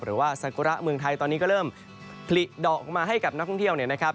ซากุระเมืองไทยตอนนี้ก็เริ่มผลิดอกออกมาให้กับนักท่องเที่ยวเนี่ยนะครับ